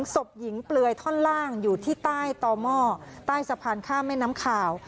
ศพหญิงเปลือยท่อนล่างอยู่ที่ใต้ต่อหม้อใต้สะพานข้ามแม่น้ำขาว